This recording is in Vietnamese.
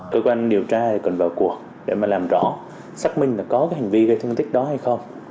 cơ quan điều tra cần vào cuộc để làm rõ xác minh có hành vi gây thương tích đó hay không